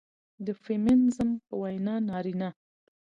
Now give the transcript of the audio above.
د فيمينزم په وينا نارينه